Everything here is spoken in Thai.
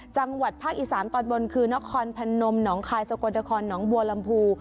จังหวัดภาคอีสานตอนบนคือนครพนมหนองคายสกลนครหนองบัวลำพู